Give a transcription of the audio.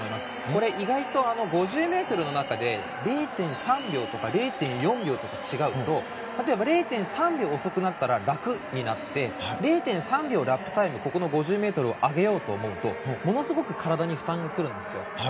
これ、意外と５０ｍの中で０．３秒とか０．４秒とか違うと例えば０．３秒遅かったら楽になって０．３秒ラップタイムここの５０ｍを上げようと思うとものすごく体に負担が来るんですよ。